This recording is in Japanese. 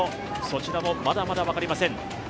そちらもまだまだ分かりません。